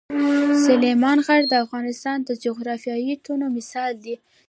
سلیمان غر د افغانستان د جغرافیوي تنوع مثال دی.